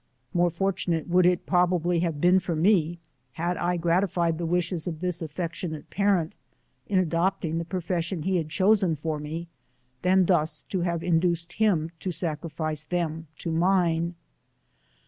More fortunate would it probably have been for me, had I gratified the wishes of this affectionate parent, in adopting the profession he had chosen for me, than thus to have induced him to sacrifice them to mine.